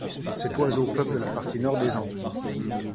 Cet oiseau peuple la partie nord des Andes.